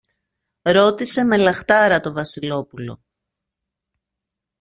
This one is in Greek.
ρώτησε με λαχτάρα το Βασιλόπουλο.